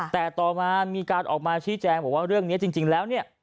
แต่ต่อมามีการออกมาชี้แจงบอกว่าเรื่องนี้จริงแล้วเนี่ย